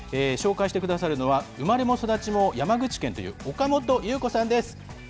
紹介してくださるのは、生まれも育ちも山口県という岡本優子さんです。